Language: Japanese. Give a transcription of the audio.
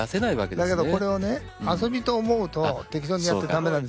だけどこれをね遊びと思うと適当にやってだめなんですよ。